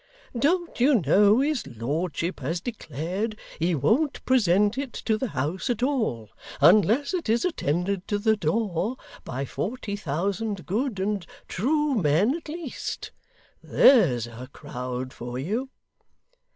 Don't you know his lordship has declared he won't present it to the house at all, unless it is attended to the door by forty thousand good and true men at least? There's a crowd for you!